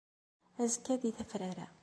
Azekka di tafrara.